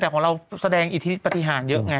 แต่ของเราแสดงอิทธิปฏิหารเยอะไง